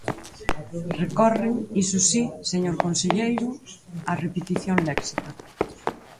Recorren, iso si, señor conselleiro, á repetición léxica.